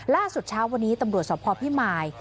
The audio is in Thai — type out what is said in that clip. ล่าสุดเช้าวันนี้ตำรวจสพพิมาย